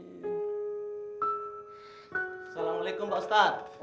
assalamualaikum pak ustadz